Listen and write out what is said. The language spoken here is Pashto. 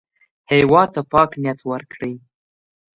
هېواد ته پاک نیت ورکړئ